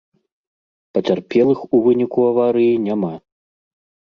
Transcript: Пацярпелых у выніку аварыі няма.